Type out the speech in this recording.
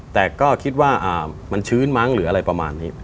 แต่ก็คิดว่ามันชื้นมั้งหรืออะไรประมาณนี้